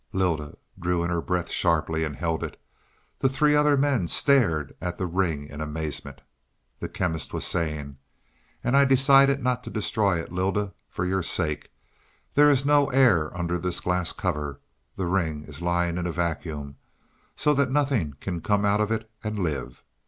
Lylda drew in her breath sharply and held it; the three other men stared at the ring in amazement. The Chemist was saying: "And I decided not to destroy it, Lylda, for your sake. There is no air under this glass cover; the ring is lying in a vacuum, so that nothing can come out of it and live.